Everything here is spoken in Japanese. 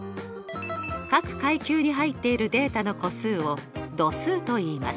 各階級に入っているデータの個数を度数といいます。